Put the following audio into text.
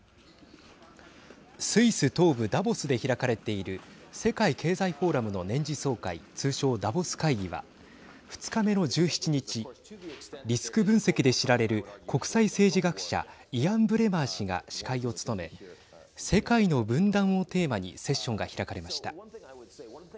スイス東部ダボスで開かれている世界経済フォーラムの年次総会、通称ダボス会議は２日目の１７日リスク分析で知られる国際政治学者イアン・ブレマー氏が司会を務め世界の分断をテーマにセッションが開かれました。